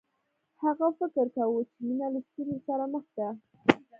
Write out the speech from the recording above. هغه فکر کاوه چې مینه له ستونزو سره مخ ده